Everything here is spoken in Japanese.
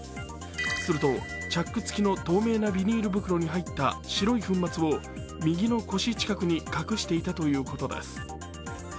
すると、チャック付きの透明なビニール袋に入った白い粉末を右の腰近くに隠していたということです。